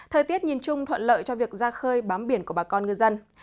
thời tiết nhìn chung thuận lợi cho việc ra khơi bám biển của bà con ngư dân